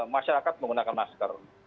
masyarakat menggunakan masker